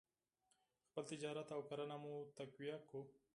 خپل تجارت او کرنه مو تقویه کړو.